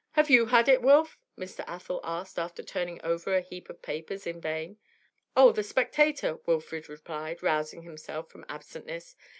'Have you had it, Wilf?' Mr. Athel asked, after turning over a heap of papers in vain. 'Oh, the "Spectator,"' Wilfrid replied, rousing himself from absentness.